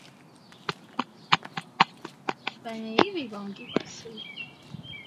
mfasiri maana yeye alijua Kiswahili na Kifaransa Mwalimu alijua Kiingereza na Kiswahili na kifaransa